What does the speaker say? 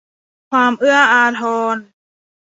ความเอื้ออาทร